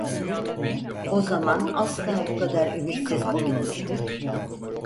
O zaman asla bu kadar ümitsiz olmamıştım.